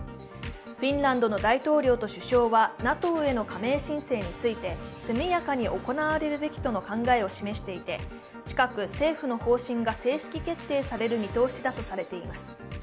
フィンランドの大統領と首相はＮＡＴＯへの加盟申請について、速やかに行われるべきとの考えを示していて近く、政府の方針が正式決定される見通しだとされています。